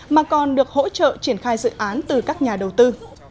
mà còn được hỗ trợ triển khai dự án từ các nhà đầu tư